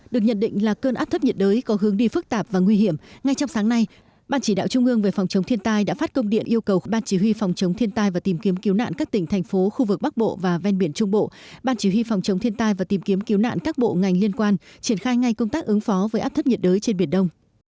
được nhận định là cơn áp thấp nhiệt đới có hướng đi phức tạp và nguy hiểm ngay trong sáng nay ban chỉ đạo trung ương về phòng chống thiên tai đã phát công điện yêu cầu ban chỉ huy phòng chống thiên tai và tìm kiếm cứu nạn các tỉnh thành phố khu vực bắc bộ và ven biển trung bộ ban chỉ huy phòng chống thiên tai và tìm kiếm cứu nạn các bộ ngành liên quan triển khai ngay công tác ứng phó với áp thấp nhiệt đới trên biển đông